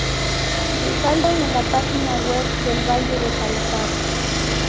Ripalda en la página web del Valle de Salazar.